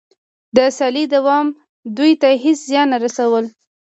د سیالۍ دوام دوی ته هېڅ زیان نه رسولو